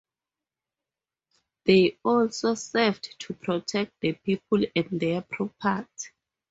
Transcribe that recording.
They also served to protect the people and their property.